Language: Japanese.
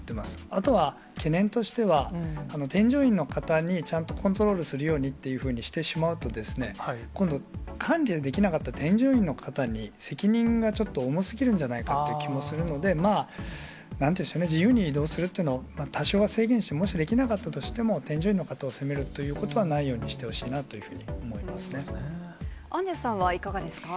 あとは懸念としては、添乗員の方にちゃんとコントロールするようにっていうふうにしてしまうとですね、今度、管理ができなかった添乗員の方に、責任がちょっと重すぎるんじゃないかっていう気もするので、まあ、なんていうんでしょうね、自由に移動するっていうのは、多少は制限して、もしできなかったとしても、添乗員の方を責めるっていうようなことは、ないようにしてほしいアンジュさんはいかがですか？